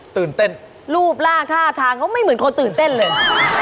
ตื่นเต้นรูปร่างท่าทางเขาไม่เหมือนคนตื่นเต้นเลย